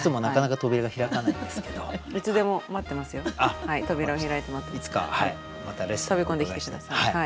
飛び込んできて下さい。